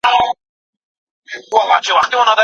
د قرابت په اساس درناوی څنګه کيږي؟